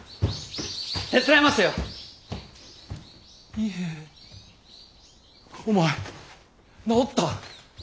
伊兵衛お前治った。